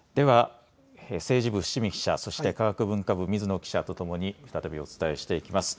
政治部、伏見記者そして科学文化部、水野記者とともに再びお伝えしていきます。